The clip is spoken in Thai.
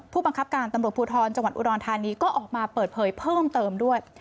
ผู้บังคับการตำรวจภูทรจังหวัดอุดรธานีก็ออกมาเปิดเผยเพิ่มเติมด้วย